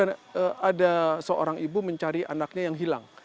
itu selalu ada seorang ibu mencari anaknya yang hilang